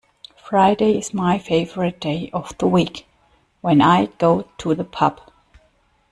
Friday is my favourite day of the week, when I go to the pub